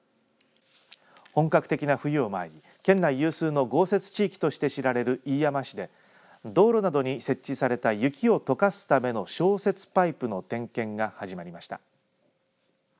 本格的な冬を前に県内有数の豪雪地域として知られる飯山市で道路などに設置された雪をとかすための消雪パイプの点検が始まりました。